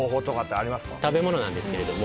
食べ物なんですけれども。